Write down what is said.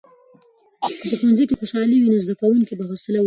که په ښوونځي کې خوشالي وي، نو زده کوونکي به حوصلې ونیسي.